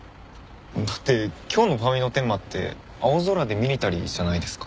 だって今日のファンミのテーマって「青空でミリタリー」じゃないですか。